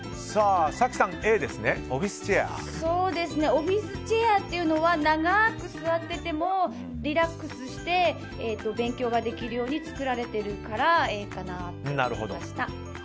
オフィスチェアっていうのは長く座っててもリラックスして勉強ができるように作られてるからＡかなって思いました。